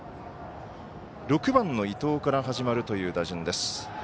６番の伊藤から始まるという打順です。